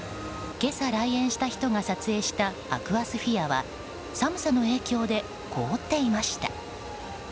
今朝、来園した人が撮影したアクアスフィアは寒さの影響で凍っていました。